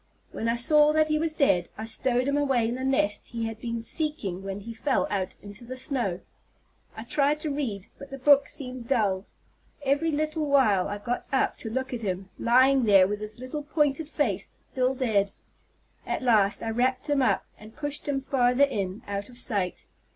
When I saw that he was dead, I stowed him away in the nest he had been seeking when he fell out into the snow. I tried to read; but the book seemed dull. Every little while I got up to look at him, lying there with his little pointed face, still dead. At last I wrapped him up, and pushed him farther in, out of sight.